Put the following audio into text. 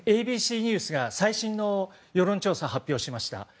ＡＢＣニュースが最新の世論調査を発表しました。